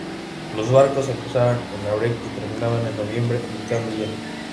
Los barcos empezaban en abril y terminaban en noviembre evitando hielo.